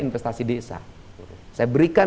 investasi desa saya berikan